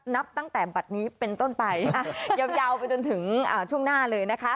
นับตั้งแต่บัตรนี้เป็นต้นไปยาวไปจนถึงช่วงหน้าเลยนะคะ